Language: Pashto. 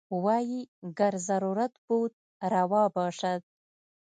وايي ګر ضرورت بود روا باشد.